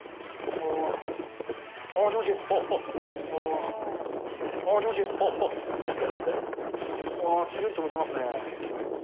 あー、つるんとむけますね。